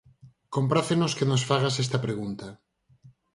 Comprácenos que nos fagas esta pregunta.